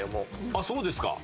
あっそうですか。